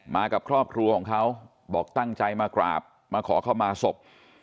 กับครอบครัวของเขาบอกตั้งใจมากราบมาขอเข้ามาศพ